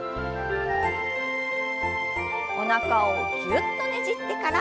おなかをぎゅっとねじってから。